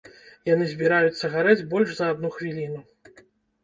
Яны збіраюцца гарэць больш за адну хвіліну.